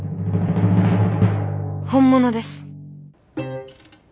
本物です。